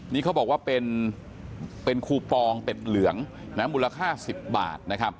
นี่เขาบอกว่าเป็นคูปองเป็ดเหลืองมูลค่า๑๐บาทนะครับ